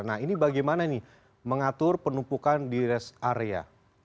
nah ini bagaimana nih mengatur penumpukan di res area